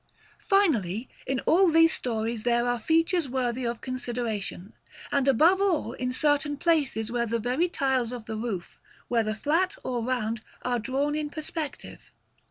Finally, in all these stories there are features worthy of consideration, and above all in certain places where the very tiles of the roof, whether flat or round, are drawn in perspective.